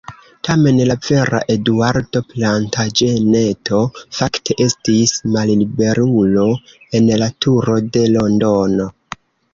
Tamen la vera Eduardo Plantaĝeneto fakte estis malliberulo en la Turo de Londono.